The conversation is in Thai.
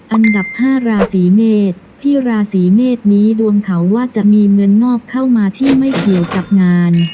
อันดับ๕ราศีเมษพี่ราศีเมษนี้ดวงเขาว่าจะมีเงินงอกเข้ามาที่ไม่เกี่ยวกับงาน